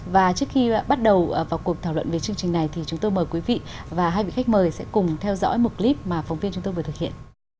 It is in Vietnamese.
và trước khi bắt đầu vào cuộc thảo luận về chương trình này thì chúng tôi mời quý vị và hai vị khách mời sẽ cùng theo dõi một clip mà phóng viên chúng tôi vừa thực hiện